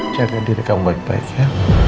jaga diri kamu baik baik ya